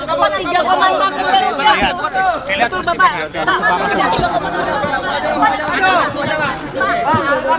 tidak masalah lphrk dengan pak